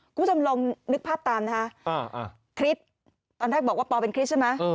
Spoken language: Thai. คุณผู้ชมลองนึกภาพตามนะฮะคริสตอนแรกบอกว่าปอเป็นคริสต์ใช่ไหม